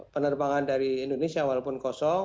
penerbangan dari indonesia walaupun kosong